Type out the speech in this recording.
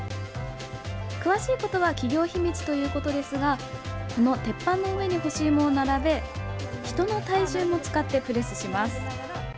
詳しいことは企業秘密ですがこの鉄板の上に干しいもを並べ人の体重も使ってプレスします。